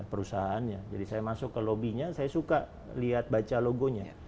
perusahaannya jadi saya masuk ke lobbynya saya suka lihat baca logonya